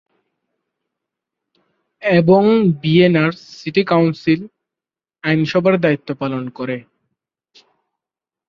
এবং ভিয়েনার city council আইনসভার দায়িত্ব পালন করে।